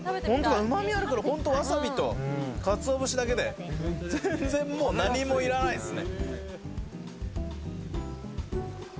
うまみがあるから、ホントわさびと鰹節だけで全然、もう何もいらないですね。